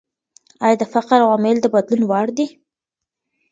ايا د فقر عوامل د بدلون وړ دي؟